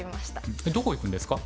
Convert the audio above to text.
どこ行くんですか？